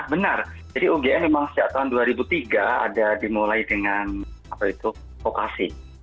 benar jadi ugm memang sejak tahun dua ribu tiga ada dimulai dengan vokasi